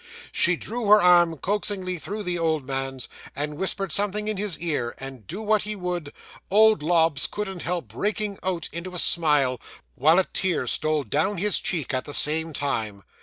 She drew her arm coaxingly through the old man's, and whispered something in his ear; and do what he would, old Lobbs couldn't help breaking out into a smile, while a tear stole down his cheek at the same time.